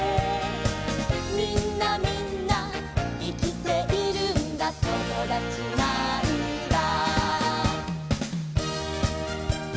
「みんなみんないきているんだともだちなんだ」